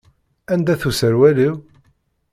Anda-t userwal-iw?